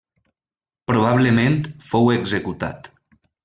Probablement fou executat.